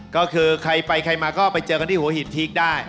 ก็คือใครไปใครมาก็ไปเจอกันที่หัวหินพีคได้